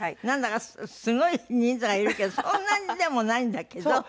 なんだかすごい人数がいるけどそんなにでもないんだけど。